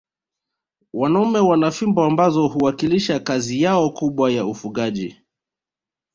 Wanaume wana fimbo ambazo huwakilisha kazi yao kubwa ya ufugaji